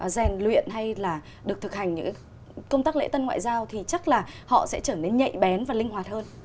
rèn luyện hay là được thực hành những công tác lễ tân ngoại giao thì chắc là họ sẽ trở nên nhạy bén và linh hoạt hơn